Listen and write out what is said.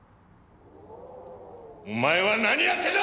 お前は何やってんだ！？